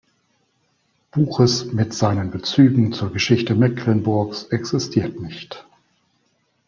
Buches mit seinen Bezügen zur Geschichte Mecklenburgs, existiert nicht.